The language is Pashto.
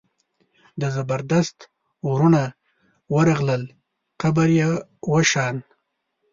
د زبردست وروڼه ورغلل قبر یې وشان.